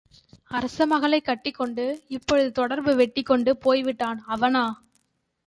அரசமகளைக் கட்டிக்கொண்டு இப்பொழுது தொடர்பு வெட்டிக்கொண்டு போய்விட்டான் அவனா!